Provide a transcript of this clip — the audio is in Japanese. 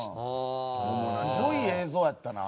すごい映像やったな。